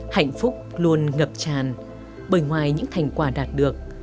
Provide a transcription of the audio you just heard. hạnh phúc luôn ngập tràn bởi ngoài những thành quả đạt được